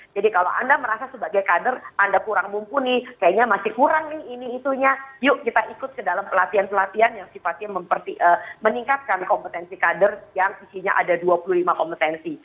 jadi kalau anda merasa sebagai kader anda kurang mumpuni kayaknya masih kurang nih ini itunya yuk kita ikut ke dalam pelatihan pelatihan yang sifatnya meningkatkan kompetensi kader yang isinya ada dua puluh lima kompetensi